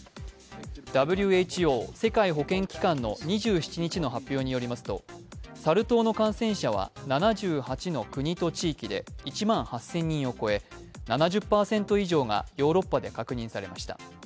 ＷＨＯ＝世界保健機関の２７日の発表によりますとサル痘の感染者は７８の国と地域で１万８０００人を超え７０％以上がヨーロッパで確認されました。